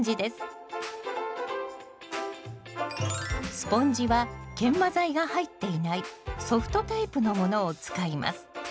スポンジは研磨材が入っていないソフトタイプのものを使います。